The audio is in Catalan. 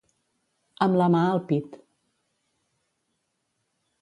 Amb la mà al pit.